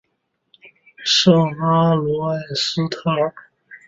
圣阿卢埃斯特尔。